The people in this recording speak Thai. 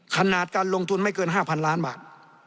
ขนาดการลงทุนไม่เกิน๕๐๐ล้านบาท